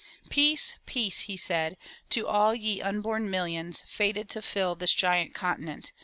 "Peace, peace,'' he said, "to all ye unborn millions, fated to fill this giant continent.